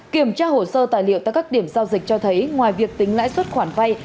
kiểm tra hồ sơ tài liệu tại các điểm giao dịch cho thấy ngoài việc tính lãi suất khoản vay